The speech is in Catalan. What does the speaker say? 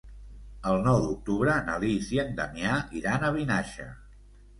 El nou d'octubre na Lis i en Damià iran a Vinaixa.